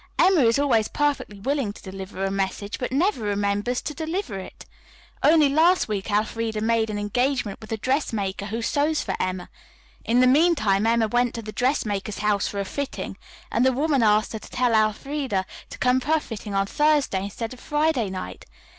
Emma is always perfectly willing to deliver a message, but never remembers to deliver it. Only last week Elfreda made an engagement with a dressmaker who sews for Emma. In the meantime Emma went to the dressmaker's house for a fitting, and the woman asked her to tell Elfreda to come for her fitting on Thursday instead of Friday night.